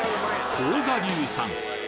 甲賀流さん